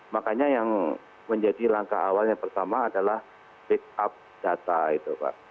makanya yang menjadi langkah awal yang pertama adalah backup data itu pak